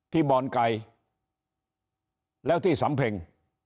ที่บอลไกและที่สำเพ็ง